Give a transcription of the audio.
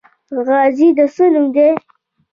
غازی د څه نوم دی؟